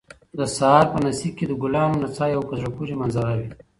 د سهار په نسي کې د ګلانو نڅا یو په زړه پورې منظر وي